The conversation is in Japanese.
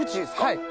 はい。